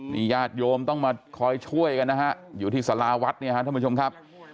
นี่ญาติโยมต้องมาคอยช่วยกันนะฮะอยู่ที่สาราวัดเนี่ยฮะท่านผู้ชมครับ